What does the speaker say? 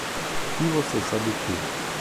E você sabe o que?